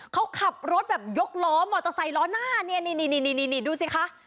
เขาขับรถแบบยกล้อมอเตอร์ไซค์ล้อหน้าเนี่ยนี่ดูสิคะ